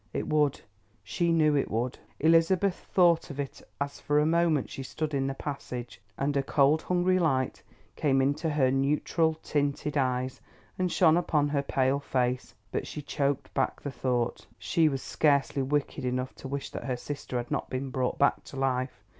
It would—she knew it would. Elizabeth thought of it as for a moment she stood in the passage, and a cold hungry light came into her neutral tinted eyes and shone upon her pale face. But she choked back the thought; she was scarcely wicked enough to wish that her sister had not been brought back to life.